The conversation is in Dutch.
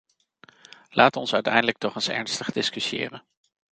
Laat ons uiteindelijk toch eens ernstig discussiëren.